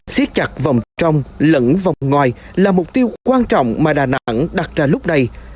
siết chặt vòng trong lẫn vòng ngoài là mục tiêu quan trọng mà đà nẵng đặt ra lúc này